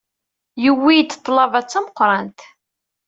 Yuwey-d ḍḍlaba d tameqrant.